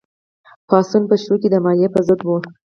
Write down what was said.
پاڅون په پیل کې د مالیې په ضد و.